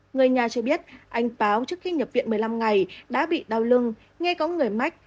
người nhà cho biết anh báo trước khi nhập viện một mươi năm ngày đã bị đau lưng nghe có người mắc